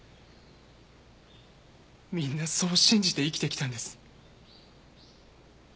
みんなそう信じて生きてきたんです。